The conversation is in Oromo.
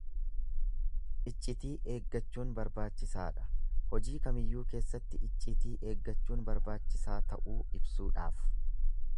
Iccitii eeggachuun barbaachisaadha Hojii kamiyyuu keessatti iccitii eeggachuun barbaachisaa ta'uu ibsuudhaaf.